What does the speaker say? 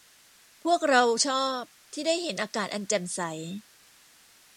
พวกเราชอบที่ได้เห็นอากาศอันแจ่มใส